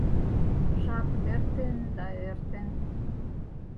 ...Жап эртен да эртен...